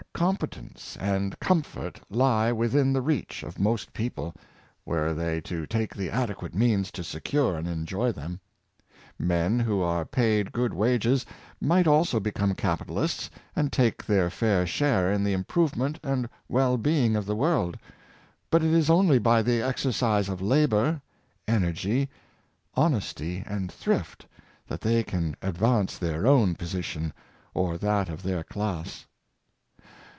Competence and comfort lie within the reach of most people, were they to take the adequate means to secure and enjoy them. Men who are paid good wages might also be come capitalists^ and take their fair share in the im provement and well being of the world. But it is only by the exercise of labor, energy, honesty, and thrift, 26 402 Workmen and Capital, that they can advance their own position or that of their class.